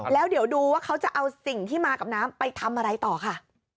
แล้วเดี๋ยวดูว่าเขาจะเอาสิ่งที่มากับน้ำไปทำอะไรต่อค่ะ